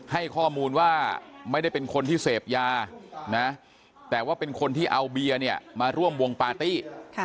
ให้ข้อมูลว่าไม่ได้เป็นคนที่เสพยานะแต่ว่าเป็นคนที่เอาเบียร์เนี่ยมาร่วมวงปาร์ตี้